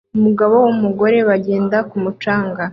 Umugabo n'umugore bagenda ku mucanga